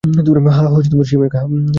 হ্যাঁ, hey, Mac.